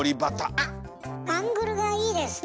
あっアングルがいいですね。